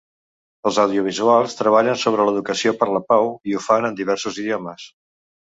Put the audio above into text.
Els audiovisuals treballen sobre l’educació per a la pau i ho fan en diversos idiomes.